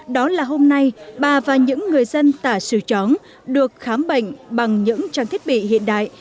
đó là hôm nay bà và những người dân tà sư chóng được khám bệnh bằng những trang thiết bị hiện đại